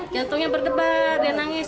jantungnya berdebar dia nangis